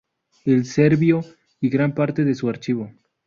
El servicio, y gran parte de su archivo.